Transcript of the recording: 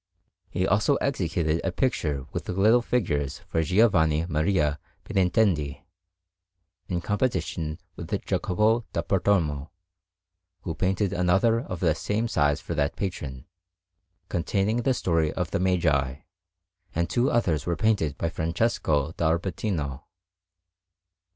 He also executed a picture with little figures for Giovanni Maria Benintendi, in competition with Jacopo da Pontormo, who painted another of the same size for that patron, containing the story of the Magi; and two others were painted by Francesco d' Albertino.